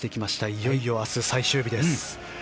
いよいよ明日、最終日です。